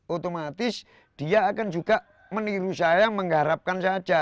otomatis dia akan juga meniru saya mengharapkan saja